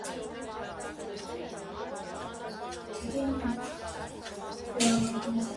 Նա միանգամից դիմել էր ավստրիական, ֆրանսիական և բրիտանական բանակին՝ զինվորագրվելու համար։